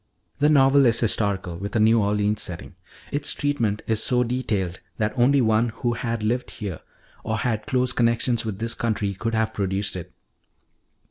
"The novel is historical, with a New Orleans setting. Its treatment is so detailed that only one who had lived here or had close connections with this country could have produced it.